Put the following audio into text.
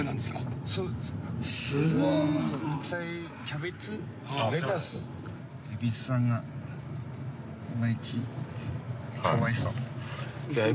すごい。